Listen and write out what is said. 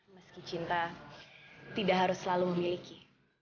meski cinta tidak harus selalu memiliki